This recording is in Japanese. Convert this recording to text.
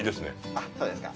あっ、そうですか。